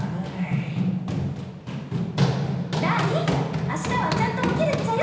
・ダーリンあしたはちゃんと起きるっちゃよ。